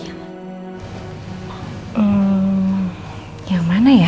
hmm yang mana ya